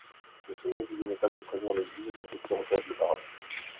Le seul mobilier notable présent dans l'église est un petit retable baroque.